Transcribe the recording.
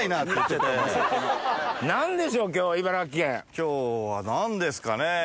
今日は何ですかね？